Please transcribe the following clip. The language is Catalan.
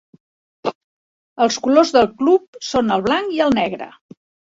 Els colors del club són el blanc i el negre.